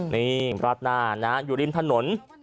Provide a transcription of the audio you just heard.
นี่ราดหน้านะอยู่ริมถนน